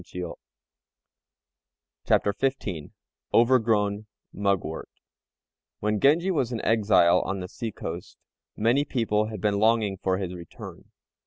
] CHAPTER XV OVERGROWN MUGWORT When Genji was an exile on the sea coast, many people had been longing for his return.